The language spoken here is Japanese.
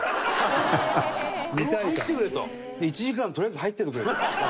１時間とりあえず入っててくれと。